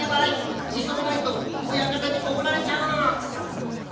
いそがないとおやかたにおこられちゃう！